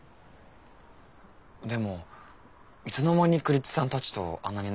でもいつの間に栗津さんたちとあんなに仲よくなったんですか？